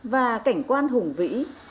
và cảnh quan hùng vĩ